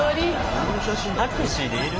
タクシーで要る？